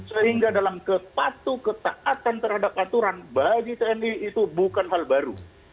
sehingga dalam kepatu ketaatan terhadap aturan bagi tni itu bukan hal baru